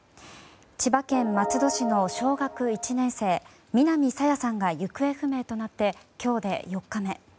千葉県松戸市の小学１年生南朝芽さんが行方不明となって今日で４日目。